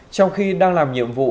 trong khi đang làm nhiệm vụ